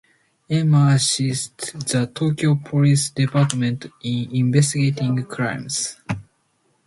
Emma assist the Tokyo police department in investigating crimes.